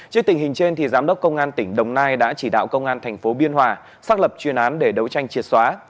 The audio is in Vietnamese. trước tình hình trên giám đốc công an tỉnh đồng nai đã chỉ đạo công an thành phố biên hòa xác lập chuyên án để đấu tranh triệt xóa